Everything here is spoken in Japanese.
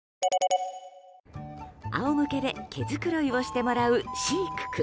仰向けで毛づくろいをしてもらうシィク君。